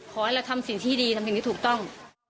ขอให้เราทำสิ่งที่ดีทำสิ่งที่ถูกต้อง